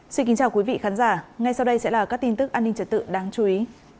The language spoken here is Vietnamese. xin kính chào quý vị khán giả ngay sau đây sẽ là các tin tức an ninh trật tự đáng chú ý